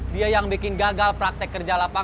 dia yang bikin gagal praktek kerja lapangan